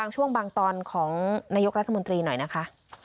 ช่วงบางตอนของนายกรัฐมนตรีหน่อยนะคะ